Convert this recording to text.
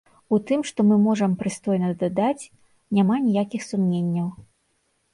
У тым, што мы можам прыстойна дадаць, няма ніякіх сумненняў.